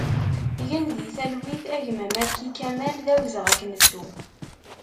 Gen di talwit a gma Malki Kamal, d awezɣi ad k-nettu!